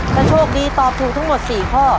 ถ้าโชคดีตอบถูกทั้งหมด๔ข้อ